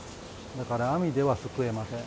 だから、網ではすくえません。